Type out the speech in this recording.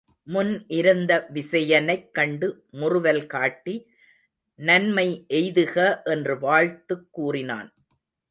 முன் இருந்த விசயனைக் கண்டு முறுவல் காட்டி, நன்மை எய்துக என்று வாழ்த்துக் கூறினான்.